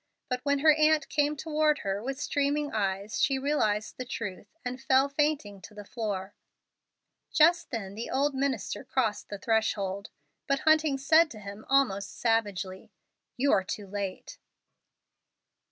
But when her aunt came toward her with streaming eyes she realized the truth and fell fainting to the floor. Just then the old minister crossed the threshold, but Hunting said to him, almost savagely, "You are too late."